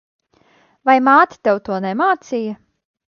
Vai māte tev to nemācīja?